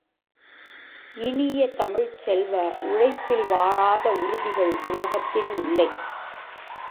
இனிய தமிழ்ச் செல்வ, உழைப்பில் வாராத உறுதிகள் உலகத்தில் இல்லை!